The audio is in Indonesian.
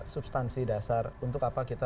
substansi dasar untuk apa kita